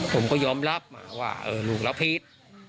ผมก็ยอมรับว่าลูกรับผิด